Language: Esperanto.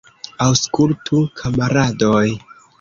Aŭskultu, kamaradoj!